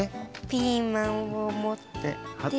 ピーマンをもって。